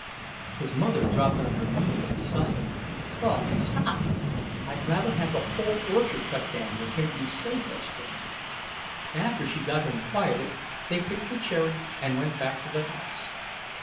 His mother dropped on her knees beside him. "Claude, stop! I'd rather have the whole orchard cut down than hear you say such things." After she got him quieted they picked the cherries and went back to the house.